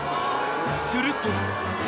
［すると］